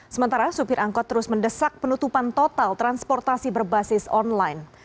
sementara supir angkot terus mendesak penutupan total transportasi berbasis online